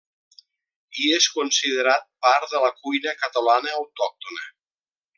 Hi és considerat part de la cuina catalana autòctona.